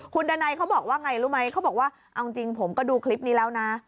คุณดันัยเขาบอกว่าไงรู้ไหมเขาบอกว่าเอาจริงผมก็ดูคลิปนี้แล้วนะ